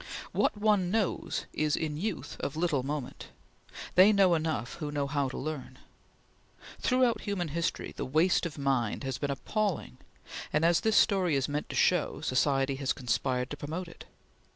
What one knows is, in youth, of little moment; they know enough who know how to learn. Throughout human history the waste of mind has been appalling, and, as this story is meant to show, society has conspired to promote it.